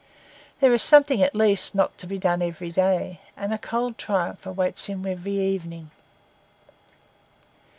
There is something, at least, not to be done each day; and a cold triumph awaits him every evening.